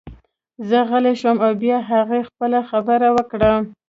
زه غلی شوم او بیا هغې خپله خبره وکړه